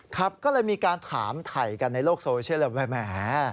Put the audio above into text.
ครับก็เลยมีการถามไถ่กันในโลกโซเชียลแบบแหม